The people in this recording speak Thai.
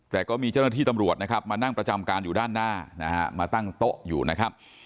แต่ก็มีเจ้าหน้าที่ตำรวจนะครับมานั่งประจำการอยู่ด้านหน้านะฮะมาตั้งโต๊ะอยู่นะครับ